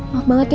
mah banget ya